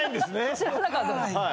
知らなかったです